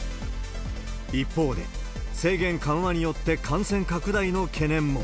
一方で、制限緩和によって感染拡大の懸念も。